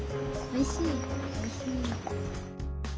おいしい。